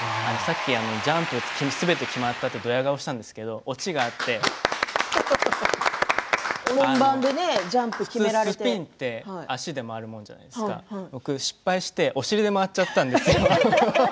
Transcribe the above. ジャンプすべて決まったとどや顔したんですけれどもオチがあってスピンって足で回るものじゃないですか、僕失敗してお尻で回っちゃったんですよ。